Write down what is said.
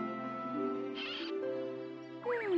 うん。